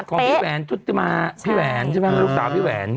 ของพี่แหวนจุดมาพี่แหวนลูกสาวพี่แหวน